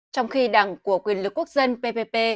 trong khi đảng của quyền lực quốc dân ppp